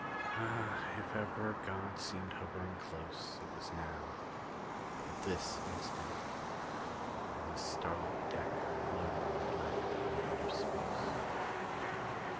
Ah, if ever God seemed hovering close, it was now at this instant, on this starlit deck floating in the black void of space.